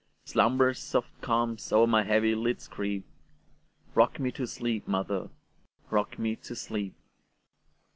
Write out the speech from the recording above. Slumber's soft calms o'er my heavy lids creep;—Rock me to sleep, mother,—rock me to sleep!